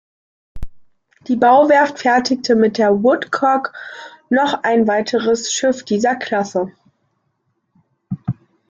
Die Bauwerft fertigte mit der "Woodcock" noch ein weiteres Schiff dieser Klasse.